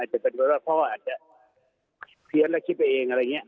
อาจจะเป็นคนรอดพ่ออาจจะเพี้ยนและคิดไปเองอะไรอย่างเงี้ย